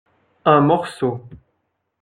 Un morceau.